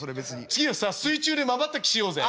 次はさ水中でまばたきしようぜ。